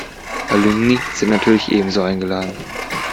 Alumni sind natürlich ebenso eingeladen.